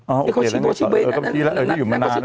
อ๋อโอเคแล้วนางกุหลาบ